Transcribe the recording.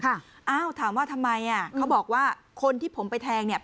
อ้าวถามว่าทำไม